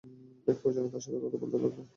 এক প্রয়োজনে তাঁর সাথে কথা বলতে লাগল।